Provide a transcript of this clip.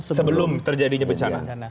sebelum terjadinya bencana